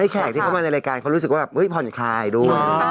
แขกที่เข้ามาในรายการเขารู้สึกว่าผ่อนคลายด้วย